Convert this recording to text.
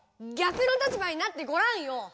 逆の立場になってごらんよ！